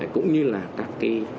cũng như là các cái